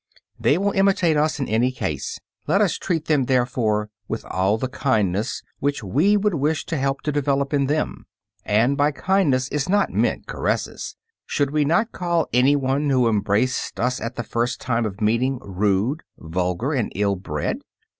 They will imitate us in any case. Let us treat them, therefore, with all the kindness which we would wish to help to develop in them. And by kindness is not meant caresses. Should we not call anyone who embraced us at the first time of meeting rude, vulgar and ill bred?